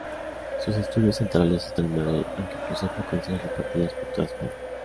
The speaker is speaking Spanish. Sus estudios centrales están en Madrid, aunque posee frecuencias repartidas por toda España.